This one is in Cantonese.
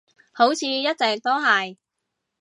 好似一直都係